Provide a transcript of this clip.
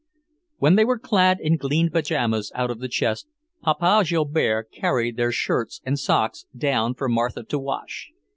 When they were clad in clean pyjamas out of the chest, Papa Joubert carried their shirts and socks down for Martha to wash.